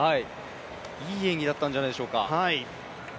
いい演技だったんじゃないでしょうか。